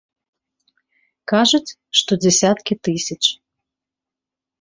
Кажуць, што дзесяткі тысяч.